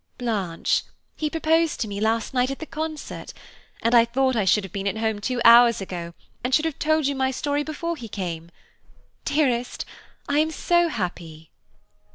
Blanche, he proposed to me last night at the concert, and I thought I should have been at home two hours ago, and should have told you my story before he came. Dearest, I am so happy."